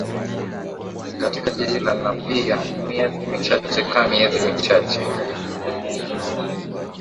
katika jiji la lavyia miezi michache ka miezi michache